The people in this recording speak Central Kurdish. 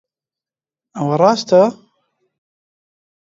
ئەوە ڕاستە؟